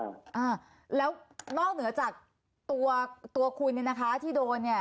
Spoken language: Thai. มคแล้วนอกเหนือจากตัวคุณนะคะที่โดน